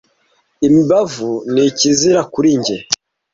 imibavu ni ikizira kuri jye